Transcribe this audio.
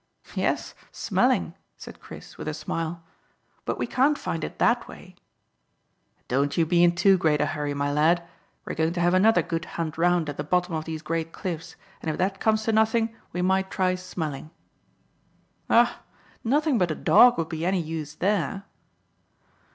"Yes, smelling," said Chris, with a smile; "but we can't find it that way." "Don't you be in too great a hurry, my lad. We're going to have another good hunt round at the bottom of these great cliffs, and if that comes to nothing we might try smelling." "Ah! Nothing but a dog would be any use there."